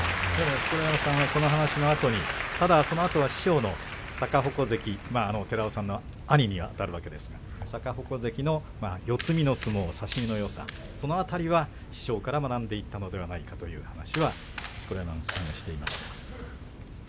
錣山さんのこの話のあとにただ師匠の逆鉾関寺尾さんの兄にあたるわけですが逆鉾関の四つ身の相撲差し身のよさその辺りは師匠から学んでいたのではないかという話はしていました。